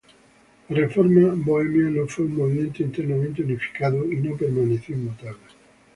La Reforma bohemia no fue un movimiento internamente unificado y no permaneció inmutable.